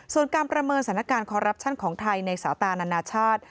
ส่วนการประเมินสถานการณ์คอรัปชั่นของไทยในสาตานานาชาติ